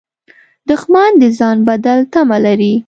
دښمن د ځان بدل تمه لري